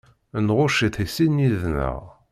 Nɣucc-it i sin yid-nneɣ.